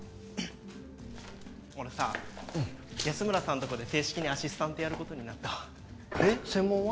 俺さ安村さんとこで正式にアシスタントやることになったわえっ専門は？